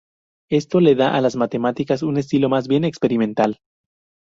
Esto le da a las matemáticas un estilo más bien experimental.